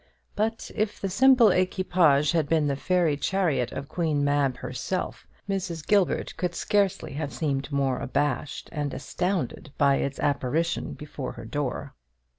But if the simple equipage had been the fairy chariot of Queen Mab herself, Mrs. Gilbert could scarcely have seemed more abashed and astounded by its apparition before her door.